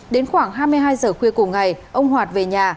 đến khoảng hai mươi hai h cuối cùng ngày ông hoạt về nhà